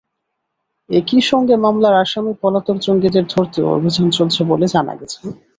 একই সঙ্গে মামলার আসামি পলাতক জঙ্গিদের ধরতেও অভিযান চলছে বলে জানা গেছে।